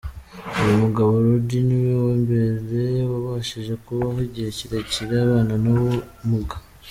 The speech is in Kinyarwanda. Uyu mugabo Rudy niwe wambere wabashije kubaho igihe kirekire abana n’ubu bumuga.